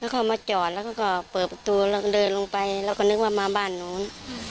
เขามาจอดแล้วเขาก็เปิดประตูแล้วก็เดินลงไปแล้วก็นึกว่ามาบ้านนู้น